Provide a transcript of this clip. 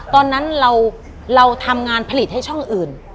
ตอนนั้นเราทำงานผลิตให้ช่องอื่น